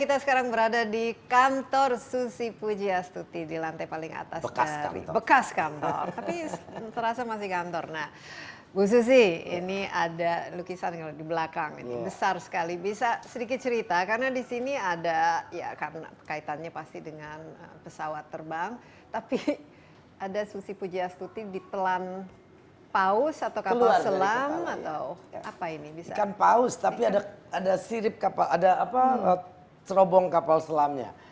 ada serobong kapal selamnya